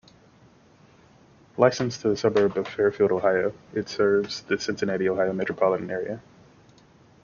Licensed to the suburb of Fairfield, Ohio, it serves the Cincinnati, Ohio metropolitan area.